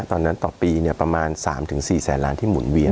ตอนนั้นต่อปีประมาณ๓๔แสนล้านที่หมุนเวียน